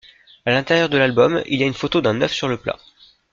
À l'intérieur de l'album il y a une photo d'un œuf sur le plat.